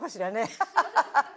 ハハハハ。